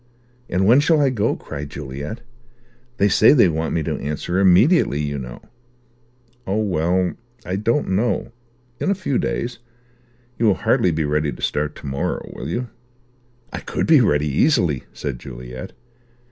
"And when shall I go?" cried Juliet. "They say they want me to answer immediately, you know." "Oh well, I don't know. In a few days. You will hardly be ready to start to morrow, will you?" "I could be ready, easily," said Juliet.